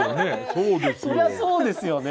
そりゃそうですよね。